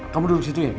kamu duduk situ ya ki